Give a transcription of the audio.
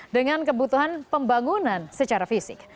dengan kebutuhan pembangunan secara fisik